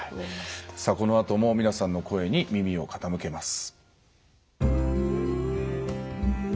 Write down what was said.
このあとも皆さんの声に耳を傾けます。